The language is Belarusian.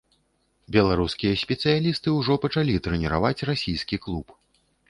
Беларускія спецыялісты ўжо пачалі трэніраваць расійскі клуб.